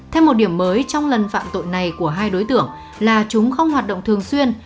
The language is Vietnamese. thêm một điểm mới trong lần phạm tội này của hai đối tượng là chúng không hoạt động thường xuyên